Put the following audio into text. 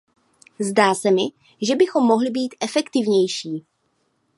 Zdá se mi, že bychom mohli být efektivnější.